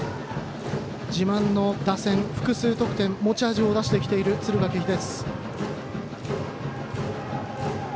自慢の打線、複数得点持ち味を出してきている敦賀気比。